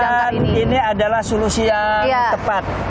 dan ini adalah solusi yang tepat